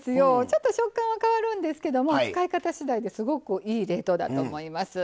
ちょっと食感は変わるんですけども使い方しだいですごくいい冷凍だと思います。